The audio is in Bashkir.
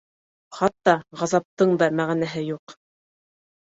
Хатта ғазаптың да мәғәнәһе юҡ.